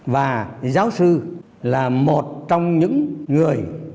và giáo sư là một trong những người